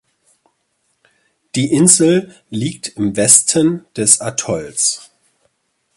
Die Insel liegt im Westen des Atolls.